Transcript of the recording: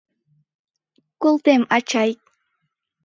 Колтем, ачай.